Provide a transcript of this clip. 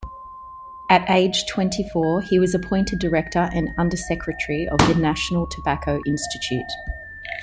At age twenty-four, he was appointed director and undersecretary of the national Tobacco Institute.